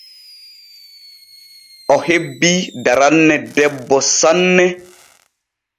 O hebbii daranne debbo sanne.